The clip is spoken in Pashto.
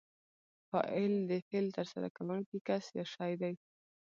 فاعل د فعل ترسره کوونکی کس یا شی دئ.